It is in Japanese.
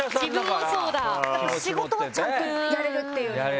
仕事はちゃんとやれるっていう。